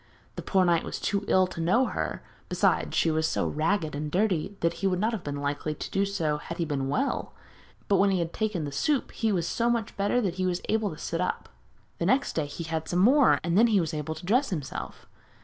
The poor knight was too ill to know her, besides, she was so ragged and dirty that he would not have been likely to do so had he been well; but when he had taken the soup he was so much better that he was able to sit up. The next day he had some more, and then he was able to dress himself.